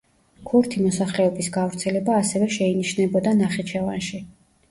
ქურთი მოსახლეობის გავრცელება ასევე შეინიშნებოდა ნახიჩევანში.